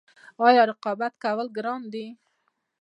آیا رقابت کول ګران دي؟